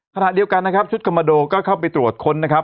ขณะเดียวกันนะครับชุดคอมโมโดก็เข้าไปตรวจค้นนะครับ